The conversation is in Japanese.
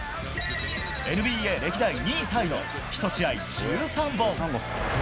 ＮＢＡ歴代２位タイの１試合１３本。